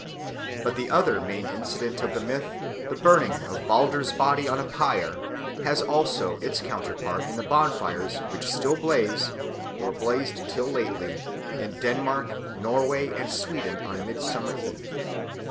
But the other main incident of the myth, the burning of Balder's body on a pyre, has also its counterpart in the bonfires which still blaze, or blazed till lately, in Denmark, Norway, and Sweden on Midsummer Eve.